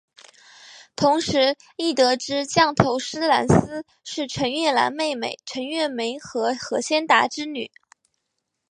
同时亦得知降头师蓝丝是陈月兰妹妹陈月梅和何先达之女。